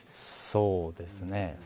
そうですね。